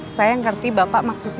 saya ngerti bapak maksudnya